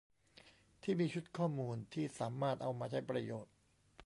ที่มีชุดข้อมูลที่สามารถเอามาใช้ประโยชน์